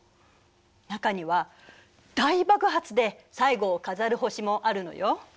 中には大爆発で最後を飾る星もあるのよ。